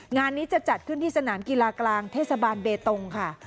งานนี้จะจัดขึ้นที่สนามกีฬากลางเทศบาลเบตงค่ะ